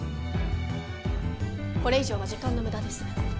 これ以上は時間の無駄です。